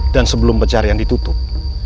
dan sebelum pecarian ditutup